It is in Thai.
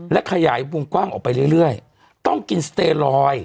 และขยายวงกว้างออกไปเรื่อยต้องกินสเตลอย